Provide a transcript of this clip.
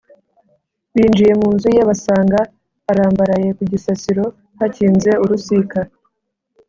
binjiye mu nzu ye basanga arambaraye ku gisasiro hakinze urusika